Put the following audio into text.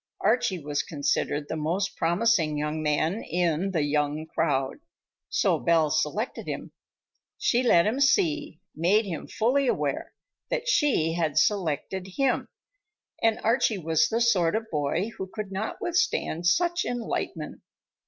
Archie was considered the most promising young man in "the young crowd," so Belle selected him. She let him see, made him fully aware, that she had selected him, and Archie was the sort of boy who could not withstand such enlightenment.